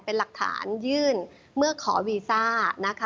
เป็นหลักฐานยื่นเมื่อขอวีซ่านะคะ